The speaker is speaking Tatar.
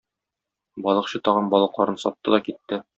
Балыкчы тагын балыкларын сатты да китте.